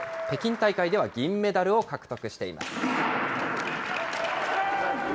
北京大会では銀メダルを獲得しています。